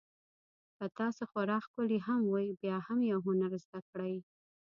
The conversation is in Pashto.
که تاسو خورا ښکلي هم وئ بیا هم یو هنر زده کړئ.